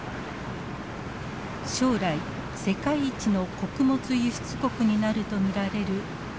将来世界一の穀物輸出国になると見られるブラジル。